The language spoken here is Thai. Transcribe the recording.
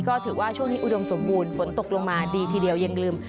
ก็ถือว่าช่วงนี้อุดมสมบูรณ์ฝนตกลงมาดีทีเดียวยังลืม